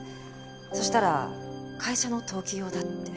そしたら会社の登記用だって。